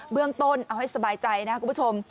เบื้องต้นเอาให้สบายใจนะครับคุณผู้ชม